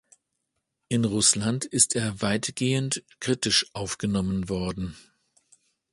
In Russland ist er weitgehend kritisch aufgenommen worden.